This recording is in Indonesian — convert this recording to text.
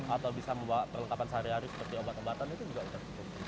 atau bisa membawa perlengkapan sehari hari seperti obat obatan itu juga bisa di luas lagi